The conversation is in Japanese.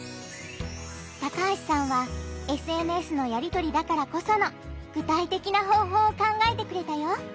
高橋さんはＳＮＳのやりとりだからこその具体的な方法を考えてくれたよ！